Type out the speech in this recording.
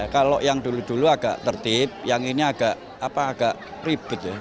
kalau yang dulu dulu agak tertib yang ini agak ribet